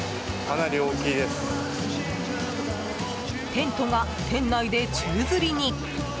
テントが店内で宙づりに。